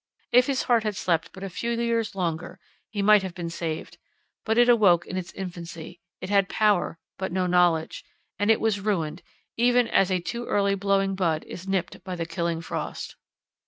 If his heart had slept but a few years longer, he might have been saved; but it awoke in its infancy; it had power, but no knowledge; and it was ruined, even as a too early blowing bud is nipt by the killing frost.